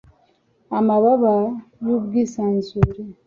amababa yubwisanzure